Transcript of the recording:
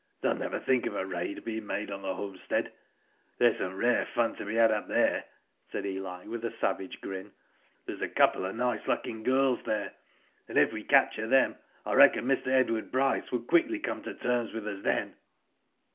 They'll never think of a raid being made on the homestead. There's some rare fun to be had up there," said Eli, with a savage grin. '* There's a couple of nice looking gals there, and if we capture ihem, I reckon Mr. Edward Bryce woulJ quickly come to terms with us then."